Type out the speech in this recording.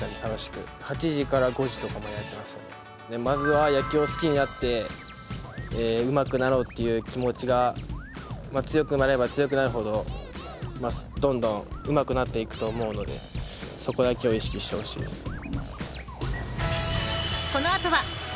まずは野球を好きになってうまくなろうっていう気持ちが強くなれば強くなるほどどんどんうまくなっていくと思うのでそこだけを意識してほしいです。